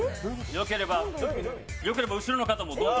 よければ後ろの方もどうぞ。